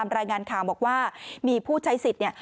รายงานข่าวบอกว่ามีผู้ใช้สิทธิ์เนี่ย